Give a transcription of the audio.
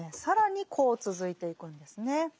更にこう続いていくんですね。